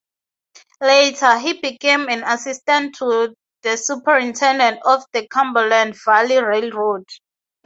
Later, he became an assistant to the superintendent of the Cumberland Valley Railroad.